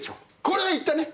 これはいったね？